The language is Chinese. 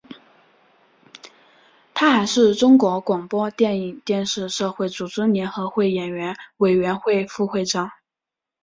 他还是中国广播电影电视社会组织联合会演员委员会副会长。